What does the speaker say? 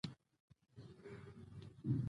دوی هوښیار او مینه ناک دي.